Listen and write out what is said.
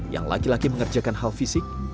yang laki laki mengerjakan hal fisik